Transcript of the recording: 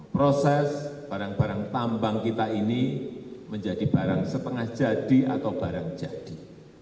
proses barang barang tambang kita ini menjadi barang setengah jadi atau barang jadi